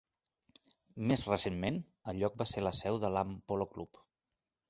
Més recentment, el lloc va ser la seu de l'Ham Polo Club.